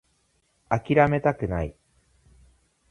諦めたくない